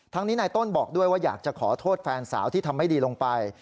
นี้นายต้นบอกด้วยว่าอยากจะขอโทษแฟนสาวที่ทำไม่ดีลงไป